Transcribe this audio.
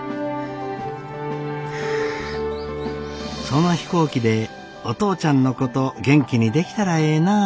その飛行機でお父ちゃんのこと元気にできたらええなぁ。